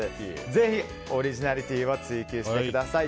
ぜひオリジナリティーを追求してください。